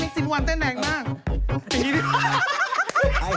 โปรดสัยยามากเข้าสวัสดีคุณผู้ชมทางทาย